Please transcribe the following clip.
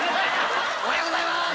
おはようございます。